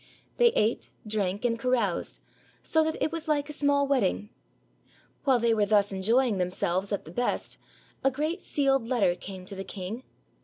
They ate, drank, and caroused, so that it was like a small wedding. While they were thus enjoying themselves at the best, 395 AUSTRIA HUNGARY a great sealed letter came to the king.